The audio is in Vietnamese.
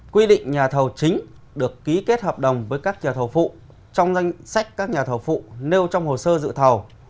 quy định nhà thầu chính được ký kết hợp đồng với các nhà thầu phụ trong danh sách các nhà thầu phụ nêu trong hồ sơ dự thầu